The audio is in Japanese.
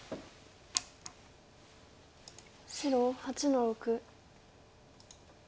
白８の六。